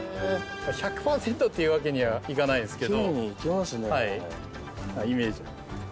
１００％というわけにはいかないですけど。